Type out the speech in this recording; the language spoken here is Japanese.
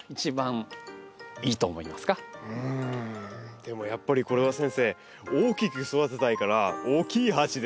でもやっぱりこれは先生大きく育てたいから大きい鉢で。